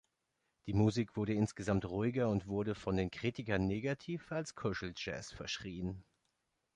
Die Musik wurde insgesamt ruhiger und wurde von den Kritikern negativ als Kuschel-Jazz verschrien.